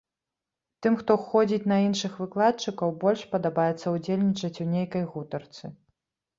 Тым, хто ходзіць на іншых выкладчыкаў, больш падабаецца ўдзельнічаць у нейкай гутарцы.